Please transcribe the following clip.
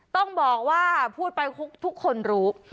ต้องบอกว่าพูดไปทุกคนรู้